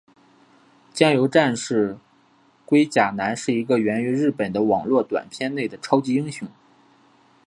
酱油战士龟甲男是一个源于日本的网络短片内的超级英雄。